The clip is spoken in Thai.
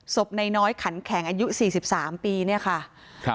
ศพนายน้อยขันแข็งอายุสี่สิบสามปีเนี่ยค่ะครับ